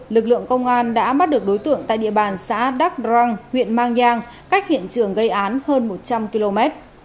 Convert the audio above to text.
lực lượng công an đã bắt được đối tượng tại địa bàn xã đắc đrang huyện mang giang cách hiện trường gây án hơn một trăm linh km